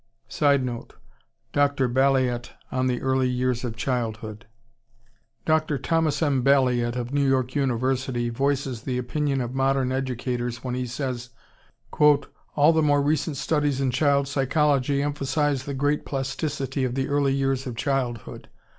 [Sidenote: Dr. Balliet on the early years of childhood.] Dr. Thomas M. Balliet of New York University voices the opinion of modern educators when he says, "All the more recent studies in child psychology emphasize the great plasticity of the early years of childhood.